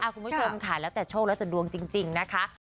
คุณผู้ชมค่ะแล้วแต่โชคแล้วแต่ดวงจริงนะคะ